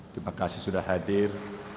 terima kasih sudah hadir